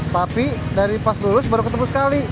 tapi dari pas lulus baru ketemu sekali